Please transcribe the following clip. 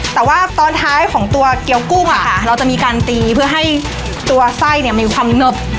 แต่ตอนท้ายของตัวเกี๊ยวกุ้บอะเราจะมีการตีเผื่อให้ไส้ไม่มีความเงิบ